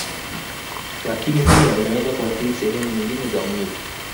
Lakini pia kinaweza kuathiri sehemu nyingine za mwili